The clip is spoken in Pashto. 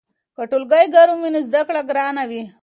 که ټولګی ګرم وي نو زده کړه ګرانه وي.